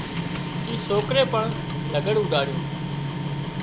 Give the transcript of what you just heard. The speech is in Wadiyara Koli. اي سوڪري پڻ لگھڙ اوڏاڙيون